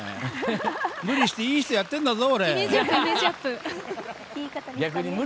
無理していい人やってんだぞ！